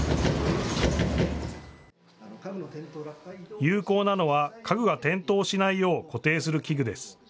有効なのは家具が転倒しないよう固定する器具です。